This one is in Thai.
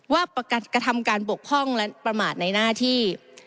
ว่ากระทำการบกพร่องและประมาทในหน้าที่